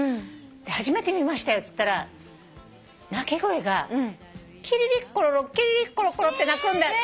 初めて見ましたよっつったら鳴き声が「キリリッコロロキリリッコロコロ」って鳴く。